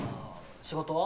仕事は？